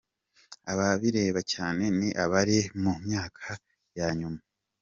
Abo bireba cyane ni abari mu myaka ya nyuma.